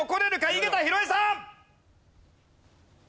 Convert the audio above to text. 井桁弘恵さん！